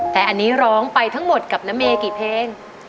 แต่อันนี้ร้องไปทั้งหมดกับน้าเมกี่เพลง